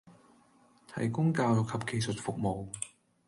提供教育及技術服務